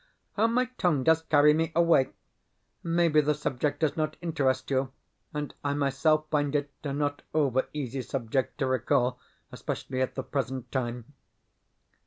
How my tongue does carry me away! Maybe the subject does not interest you, and I myself find it a not over easy subject to recall especially at the present time.